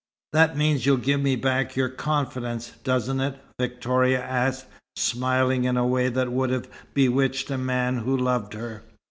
"That means you'll give me back your confidence, doesn't it?" Victoria asked, smiling in a way that would have bewitched a man who loved her.